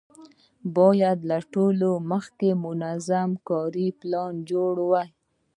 باید له ټولو مخکې منظم کاري پلان ولرو.